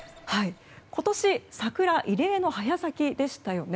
今年、桜異例の早咲きでしたよね。